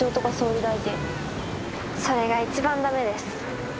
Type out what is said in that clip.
それが一番駄目です。